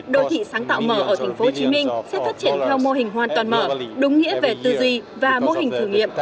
đô thị sáng tạo mở ở thành phố hồ chí minh sẽ phát triển theo mô hình hoàn toàn mở đúng nghĩa về tư duy và mô hình thử nghiệm